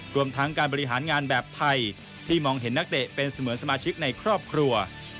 รวมทั้งการบริหารงานแบบไทยที่มองเห็นนักเตะเป็นเสมือนสมาชิกในครอบครัว